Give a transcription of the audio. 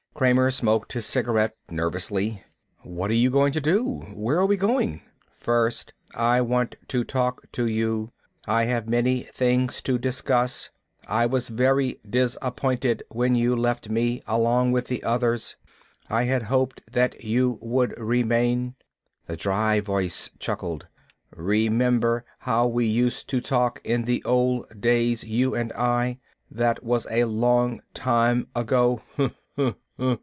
Kramer smoked his cigarette nervously. "What are you going to do? Where are we going?" "First, I want to talk to you. I have many things to discuss. I was very disappointed when you left me, along with the others. I had hoped that you would remain." The dry voice chuckled. "Remember how we used to talk in the old days, you and I? That was a long time ago."